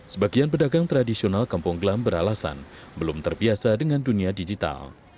sebagian pedagang tradisional kampung glam beralasan belum terbiasa dengan dunia digital